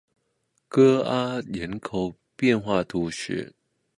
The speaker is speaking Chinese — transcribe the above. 戈阿人口变化图示